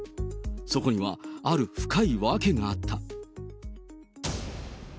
そこにはある深い訳があった。